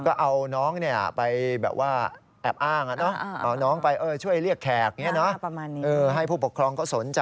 ก็เอาน้องไปแบบว่าแอบอ้าง